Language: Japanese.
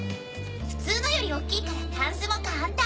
普通のより大きいからタンスも簡単！